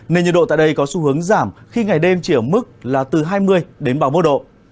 nền nhiệt độ tại đây có xu hướng giảm khi ngày đêm chỉ ở mức là từ hai mươi đến bằng mưa độ